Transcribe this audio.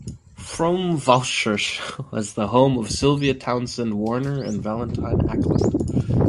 Frome Vauchurch was the home of Sylvia Townsend Warner and Valentine Ackland.